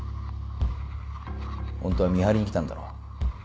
ホントは見張りに来たんだろ？